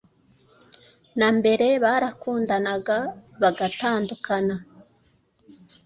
na mbere barakundanaga bagatandukana